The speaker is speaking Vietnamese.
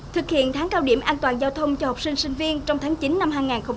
thực hiện tháng cao điểm an toàn giao thông cho học sinh sinh viên trong tháng chín năm hai nghìn hai mươi